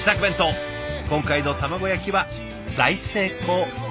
今回の卵焼きは大成功ですね？